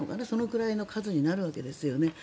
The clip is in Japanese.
そのくらいの数になるわけですよね。